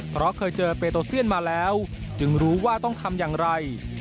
เพราะเคยเจอเปโตเซียนมาแล้วจึงรู้ว่าต้องทำอย่างไร